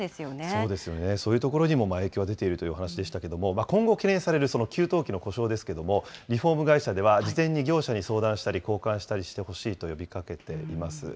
そうですよね、そういうところにも影響が出ているというお話でしたけれども、今後、懸念される給湯器の故障ですけども、リフォーム会社では、事前に業者に相談したり、交換したりしてほしいと呼びかけています。